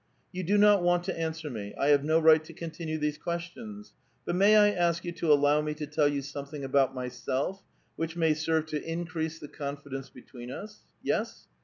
" You do not want to answer me ; I have no right to con tinue these questions. But may I ask you to allow me to tell you something about myself which may serve to increase the confidence between us. Yes?